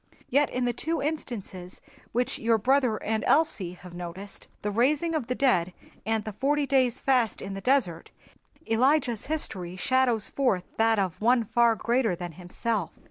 Yet in the two instances which your brother and Elsie have noticed, the raising of the dead and the forty days' fast in the desert, Elijah's history shadows forth that of One far greater than himself.